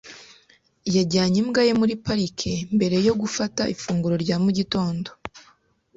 Yajyanye imbwa ye muri parike mbere yo gufata ifunguro rya mu gitondo .